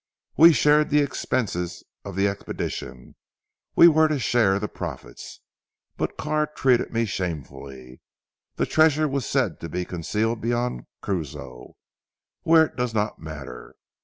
"We shared the expenses of the expedition, we were to share the profits; but Carr treated me shamefully. The treasure was said to be concealed beyond Cuzco where it does not matter.